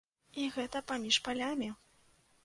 І гэта паміж палямі!